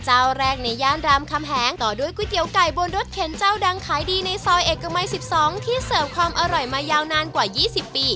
เจ้าแรกในย่านรามคำแหงต่อด้วยก๋วยเตี๋ยวไก่บนรถเข็นเจ้าดังขายดีในซอยเอกมัย๑๒ที่เสิร์ฟความอร่อยมายาวนานกว่า๒๐ปี